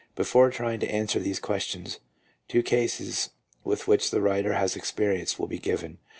Before trying to answer these ques tions, two cases with which the writer has had ex perience will be given.